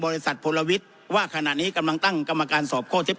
พลวิทย์ว่าขณะนี้กำลังตั้งกรรมการสอบข้อเท็จจริง